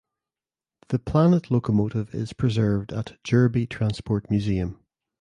The "Planet" locomotive is preserved at Jurby Transport Museum.